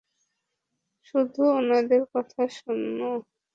শুধু উনাদের কথা শোন।